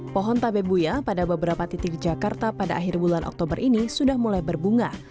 pohon tabebuya pada beberapa titik di jakarta pada akhir bulan oktober ini sudah mulai berbunga